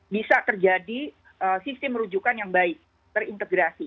bisa terjadi sistem rujukan yang baik terintegrasi